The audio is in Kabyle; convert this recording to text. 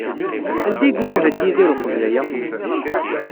Anda ay imuhel Yidir uqbel aya?